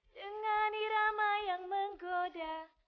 dengan irama yang menggoda